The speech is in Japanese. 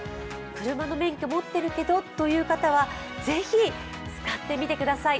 車の免許を持っているけどという方は、ぜひ使ってみてください。